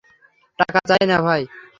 টাকা চাই না, ভাই।